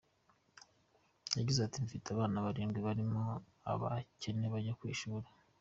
Yagize ati “mfite abana barindwi barimo abakenera kujya mu ishuri.